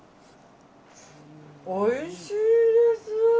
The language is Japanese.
おいしいです。